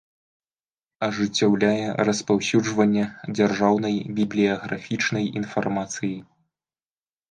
Ажыццяўляе распаўсюджванне дзяржаўнай бiблiяграфiчнай iнфармацыi.